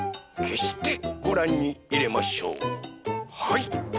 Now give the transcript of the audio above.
はい。